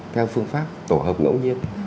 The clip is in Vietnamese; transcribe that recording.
theo phương pháp tổ hợp ngẫu nhiên